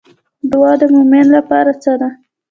دعا د مومن لپاره څه ده؟